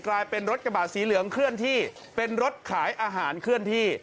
กลายเป็นรถกระบาดสีเหลืองเคลื่อนที่เป็นรถขายอาหารเคลื่อนที่